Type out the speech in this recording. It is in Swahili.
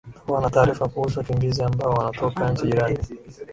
watakuwa na taarifa kuhusu wakimbizi ambao wanatoka nchi jirani